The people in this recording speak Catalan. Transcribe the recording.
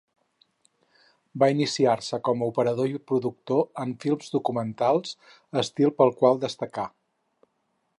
Va iniciar-se com a operador i productor en films documentals, estil pel qual destacà.